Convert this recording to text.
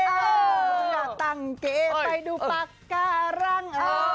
ตั้งเกย์ไปดูปากการัง